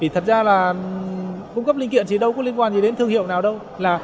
thật ra là cung cấp linh kiện thì đâu có liên quan gì đến thương hiệu nào đâu